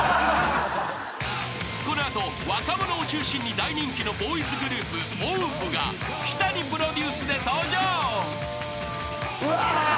［この後若者を中心に大人気のボーイズグループＯＷＶが日谷プロデュースで登場］